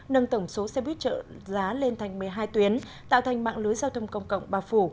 nâng tổng số xe buýt trợ giá lên thành một mươi hai tuyến tạo thành mạng lưới giao thông công cộng bà phủ